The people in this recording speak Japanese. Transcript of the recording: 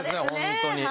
本当に。